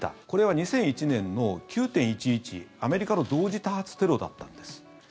これは２００１年の９・１１アメリカの同時多発テロだったんです。